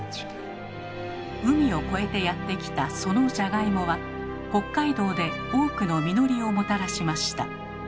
海を越えてやって来たそのじゃがいもは北海道で多くの実りをもたらしました。